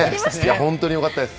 本当によかったです。